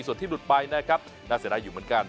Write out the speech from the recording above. ส่วนที่หลุดไปนะครับน่าเสียดายอยู่เหมือนกัน